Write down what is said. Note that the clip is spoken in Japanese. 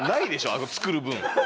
あの作る分。